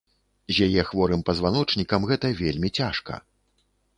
З яе хворым пазваночнікам гэта вельмі цяжка.